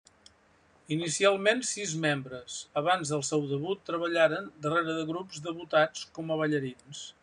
Inicialment sis membres, abans del seu debut treballaren darrere de grups debutats com a ballarins.